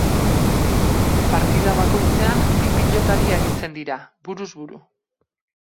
Partida bakoitzean bi pilotari aritzen dira, buruz buru.